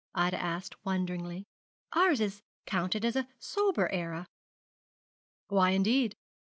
Ida asked, wonderingly. 'Ours is counted a sober era.' 'Why, indeed?